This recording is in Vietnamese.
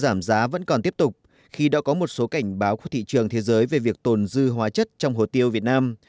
giảm giá vẫn còn tiếp tục khi đã có một số cảnh báo của thị trường thế giới về việc tồn dư hóa chất trong hồ tiêu việt nam